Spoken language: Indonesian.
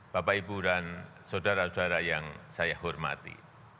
bapak ibu dan saudara saudara yang saya hormati